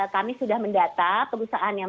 kami sudah mendata perusahaan yang